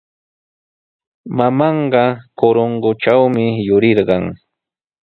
Mamaaqa Corongotrawmi yurirqan.